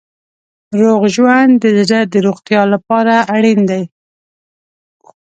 روغ ژوند د زړه د روغتیا لپاره اړین دی.